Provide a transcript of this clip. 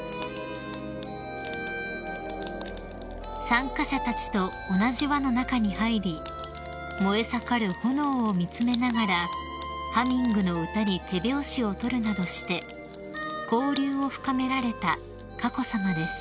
［参加者たちと同じ輪の中に入り燃え盛る炎を見詰めながらハミングの歌に手拍子を取るなどして交流を深められた佳子さまです］